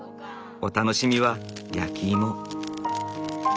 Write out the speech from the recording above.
お楽しみは焼き芋。